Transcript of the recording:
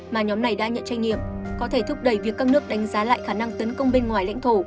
mà nhóm này đã nhận trách nhiệm có thể thúc đẩy việc các nước đánh giá lại khả năng tấn công bên ngoài lãnh thổ